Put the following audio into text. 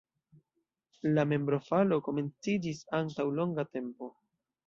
La membrofalo komenciĝis antaŭ longa tempo.